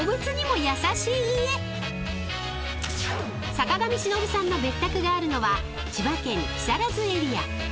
［坂上忍さんの別宅があるのは千葉県木更津エリア］